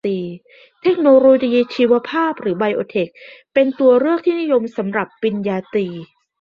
เทคโนโลยีชีวภาพ หรือ ไอโอเทค เป็นตัวเลือกที่นิยมสำหรับปริญญาตรี